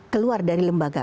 keluar dari lembaga